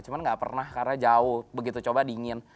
cuma nggak pernah karena jauh begitu coba dingin